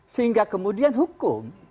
sehingga kemudian hukum